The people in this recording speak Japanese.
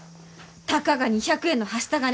たかが２００円のはした金